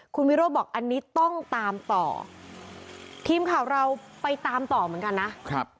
คุณวิโรธบอกอันนี้ต้องตามต่อทีมข่าวเราไปตามต่อเหมือนกันนะครับ